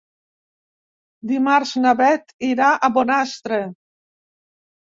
Dimarts na Beth irà a Bonastre.